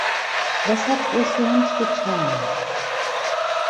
Was hat Russland getan?